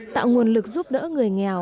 tạo nguồn lực giúp đỡ người nghèo